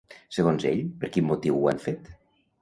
Segons ell, per quin motiu ho han fet?